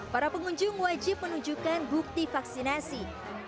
para pengunjung wajib menunjukkan bukti vaksinasi